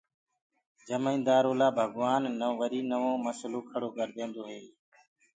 جميندآرو لآ ڀگوآن وري نوو مسلو کڙو ڪرديندو هي